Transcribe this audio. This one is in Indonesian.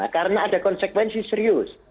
karena ada konsekuensi serius